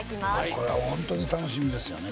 これはホントに楽しみですよね